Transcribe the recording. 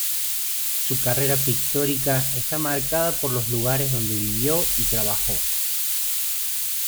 Su carrera pictórica está marcada por los lugares donde vivió y trabajó.